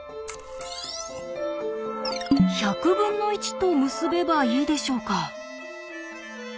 １００分の１と結べばいいでしょうか？